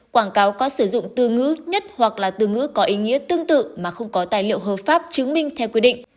quảng cáo có sử dụng từ ngữ nhất hoặc là từ ngữ có ý nghĩa tương tự mà không có tài liệu hợp pháp chứng minh theo quy định